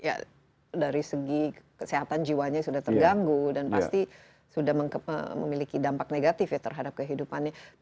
ya dari segi kesehatan jiwanya sudah terganggu dan pasti sudah memiliki dampak negatif ya terhadap kehidupannya